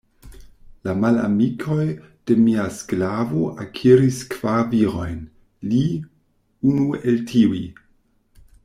La malamikoj de mia sklavo akiris kvar virojn; li, unu el tiuj.